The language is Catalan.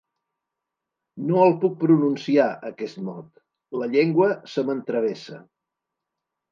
No el puc pronunciar, aquest mot: la llengua se m'entravessa.